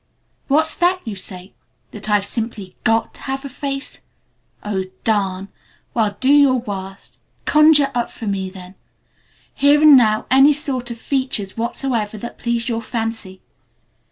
"What's that you say? That I've simply got to have a face? Oh, darn! well, do your worst. Conjure up for me then, here and now, any sort of features whatsoever that please your fancy.